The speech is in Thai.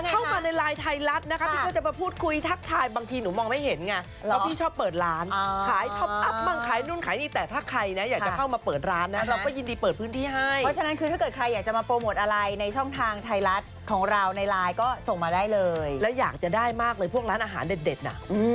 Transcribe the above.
เข้ามาในไลน์ไทยรัฐนะคะพี่ก็จะมาพูดคุยทักทายบางทีหนูมองไม่เห็นไงแล้วพี่ชอบเปิดร้านขายท็อปอัพมั่งขายนู่นขายนี่แต่ถ้าใครนะอยากจะเข้ามาเปิดร้านนะเราก็ยินดีเปิดพื้นที่ให้เพราะฉะนั้นคือถ้าเกิดใครอยากจะมาโปรโมทอะไรในช่องทางไทยรัฐของเราในไลน์ก็ส่งมาได้เลยแล้วอยากจะได้มากเลยพวกร้านอาหารเด็ดน่ะ